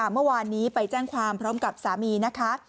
เมื่อวานนี้ไปแจ้งความพร้อมกับสามีนะคะ